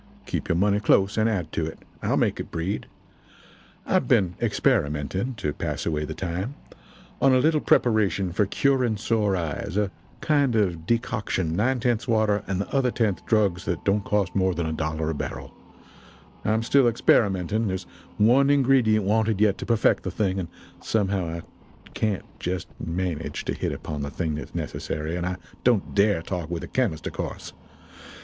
Keep your money close and add to it. I'll make it breed. I've been experimenting (to pass away the time), on a little preparation for curing sore eyes a kind of decoction nine tenths water and the other tenth drugs that don't cost more than a dollar a barrel; I'm still experimenting; there's one ingredient wanted yet to perfect the thing, and somehow I can't just manage to hit upon the thing that's necessary, and I don't dare talk with a chemist, of course.